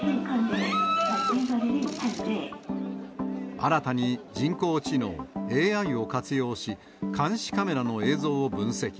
新たに人工知能・ＡＩを活用し、監視カメラの映像を分析。